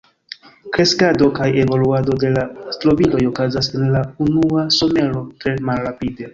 Kreskado kaj evoluado de la strobiloj okazas en la unua somero tre malrapide.